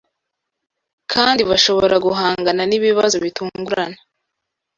kandi bashobora guhangana n’ibibazo bitungurana